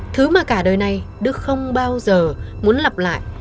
thứ mà cả đời này đức không bao giờ muốn lặp lại